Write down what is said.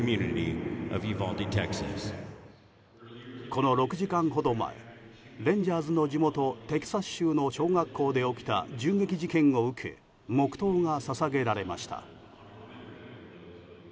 この６時間ほど前レンジャーズの地元テキサス州の小学校で起きた銃撃事件を受け黙祷が捧げられました。